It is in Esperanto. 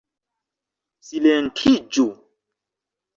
Silentiĝu!